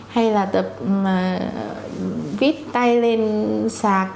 hay là tập vít tay lên xà cát